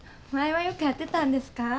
前はよくやってたんですか？